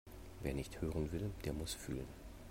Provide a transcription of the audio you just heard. Wer nicht hören will, der muss fühlen.